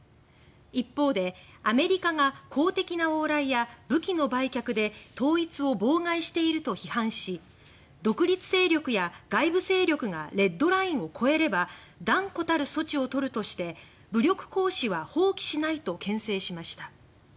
一方で、アメリカが公的な往来や武器の売却で統一を妨害していると批判し独立勢力や外部勢力がレッドラインを越えれば断固たる措置を取るとして武力行使は放棄しないとけん制しました。